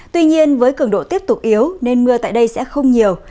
tuy nhiên với cường độ tiếp tục yếu nên mưa tại đây sẽ không nhiều